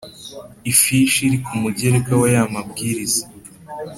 ifishi iri ku mugereka w aya mabwiriza